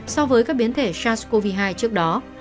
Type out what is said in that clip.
so với các biến thể sars cov hai trước đó